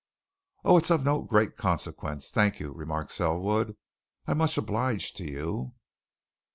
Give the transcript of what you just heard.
"Oh, it's of no great consequence, thank you," remarked Selwood. "I'm much obliged to you."